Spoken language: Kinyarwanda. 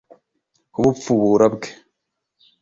kubupfura bwe